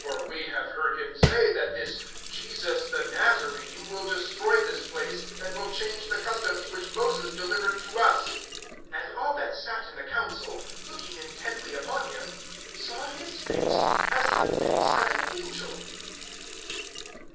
(14)For we have heard him say, that this Jesus the Nazarene will destroy this place, and will change the customs which Moses delivered to us. (15)And all that sat in the council, looking intently upon him, saw his face as the face of an angel.